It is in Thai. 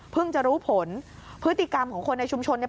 จะรู้ผลพฤติกรรมของคนในชุมชนเนี่ย